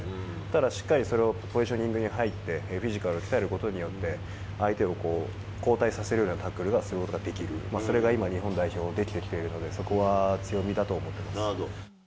だからしっかりそれをポジショニングに入って、フィジカルを鍛えることによって、相手を後退させるようなタックルがすることができる、それが今、日本代表、できてきているので、そこは強みだと思ってます。